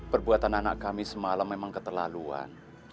perbuatan anak kami semalam memang keterlaluan